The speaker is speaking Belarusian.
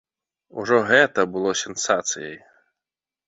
Ужо гэта было сенсацыяй.